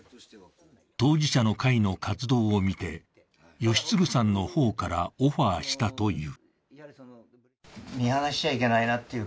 当事者の会の活動を見て吉次さんの方からオファーしたという。